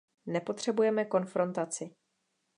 Nepotřebujeme konfrontaci.